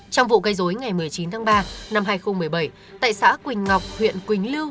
trong vụ gây dối ngày một mươi chín tháng ba năm hai nghìn một mươi bảy tại xã quỳnh ngọc huyện quỳnh lưu